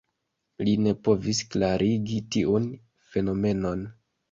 Li ne povis klarigi tiun fenomenon.